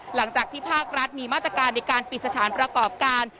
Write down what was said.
หลังจากที่ภาครัฐมีมาตรการในการปิดสถานประกอบการ